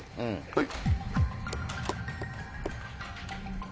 はい。